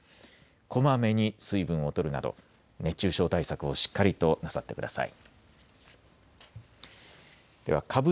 こまめに水分をとるなど熱中症対策をしっかりとなさってください。